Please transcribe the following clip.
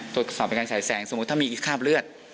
ตรวจสอบเป็นการฉายแสงสมมุติถ้ามีคราบเลือด